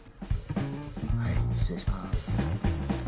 はい失礼します。